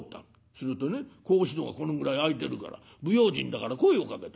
するとね格子戸がこのぐらい開いてるから不用心だから声をかけた。